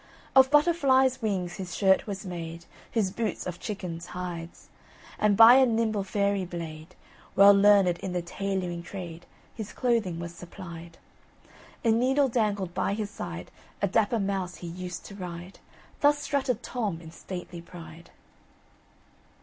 Of Butterfly's wings his shirt was made, His boots of chicken's hide; And by a nimble fairy blade, Well learned in the tailoring trade, His clothing was supplied. A needle dangled by his side; A dapper mouse he used to ride, Thus strutted Tom in stately pride!